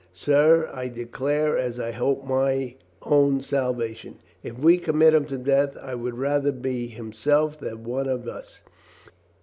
Sir, I de clare as I hope mine own salvation, if we commit him to death I would rather be himself than one of us.